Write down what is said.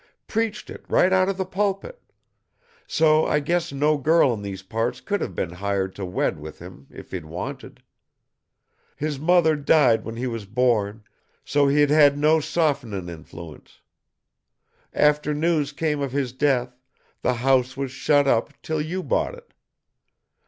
Preached it right out of the pulpit so I guess no girl in these parts could have been hired to wed with him, if he'd wanted. His mother died when he was born, so he'd had no softenin' influence. After news came of his death, the house was shut up 'till you bought it.